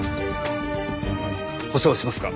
保証しますか？